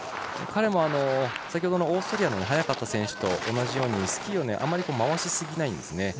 彼も、先ほどのオーストリアの速かった選手と同じようにスキーを回しすぎないんですね。